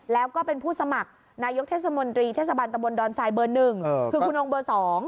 แล้วก็เป็นผู้สมัครนายกเทศมนตรีเทศบาลตะบนดอนทรายเบอร์๑คือคุณนงเบอร์๒